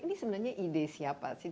ini sebenarnya ide siapa sih